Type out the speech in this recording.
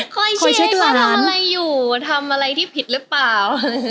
ค่อยมาทำอะไรอยู่ทำอะไรที่ผิดหรือเปล่า